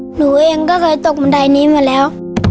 หนูเองก็เคยตกบันไดนี้มาแล้ว